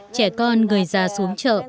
trẻ con người già xuống chợ